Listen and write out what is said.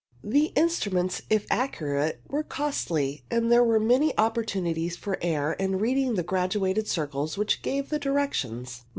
The instruments, if accurate, were costly, and there were many opportunities for error in reading the graduated circles which gave the direc tions.